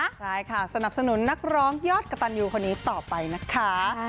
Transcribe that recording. ใช่ค่ะสนับสนุนนักร้องยอดกระตันยูคนนี้ต่อไปนะคะ